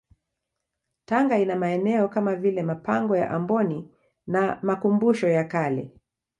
Tanga ina maeneo kama vile mapango ya Amboni na makumbusho ya kale